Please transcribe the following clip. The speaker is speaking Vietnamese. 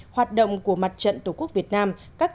hoạt động của mặt trận tổ quốc việt nam